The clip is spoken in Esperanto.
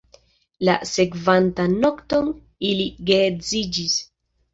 La sekvantan nokton ili geedziĝis.